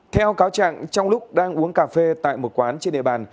theo cáo trạng trong lúc đang uống cà phê tại một quán trên địa bàn